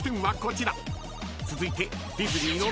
［続いて］